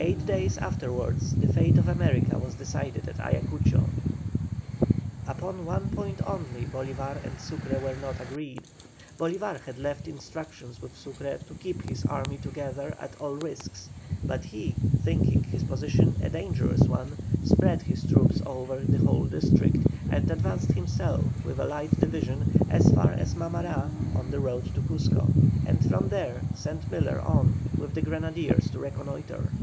Eight days afterwards the fate of America was decided at Ayacucho. Upon one point only Bolívar and Sucre were not agreed. Bolívar had left instructions with Sucre to keep his army together at all risks; but he, thinking his position a dangerous one, spread his troops over the whole district, and advanced himself, with a light division, as far as Mamará on the road to Cuzco, and from there sent Miller on with the grenadiers to reconnoitre.